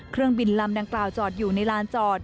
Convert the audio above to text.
เครื่องบินลำดังกล่าวจอดอยู่ในลานจอด